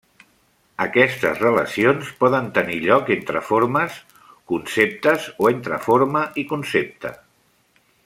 Aquestes relacions poden tenir lloc entre formes, conceptes o entre forma i concepte.